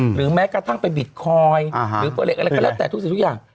หรือแม้กระทั่งไปบิตคอยน์หรือเฟอร์เล็กอะไรก็แล้วแต่ทุกสิ่งทุกอย่าง